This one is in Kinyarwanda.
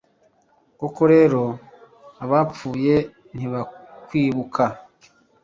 Koko rero abapfuye ntibakwibuka